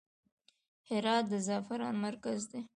هرات د زعفرانو مرکز دی